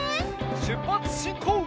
しゅっぱつしんこう！